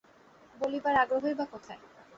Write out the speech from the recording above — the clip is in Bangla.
বলিবার আগ্রহই বা কোথায়!